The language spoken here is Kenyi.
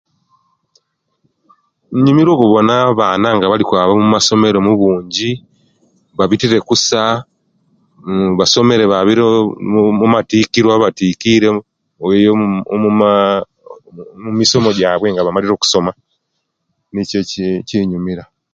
Nyumira okubona nga abaana bali kwaba omumasomero omubunji babitire kusa basomere babire omumatikiro babatikire omu maaa omumisomo jabwe nga bamalire okusoma nikyo ekinyumira